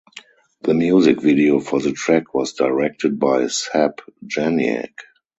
The music video for the track was directed by Seb Janiak.